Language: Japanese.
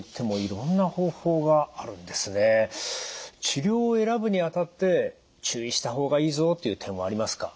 治療を選ぶにあたって注意した方がいいぞという点はありますか？